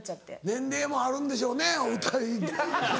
年齢もあるんでしょうねお２人。